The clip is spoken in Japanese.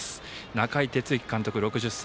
中井哲之監督、６０歳。